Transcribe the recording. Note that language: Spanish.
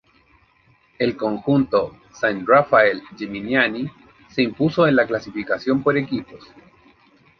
El conjunto Saint Raphael-Geminiani se impuso en la clasificación por equipos.